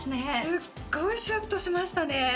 すっごいシュッとしましたね